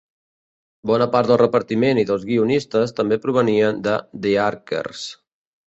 Bona part del repartiment i dels guionistes també provenien de "The Archers".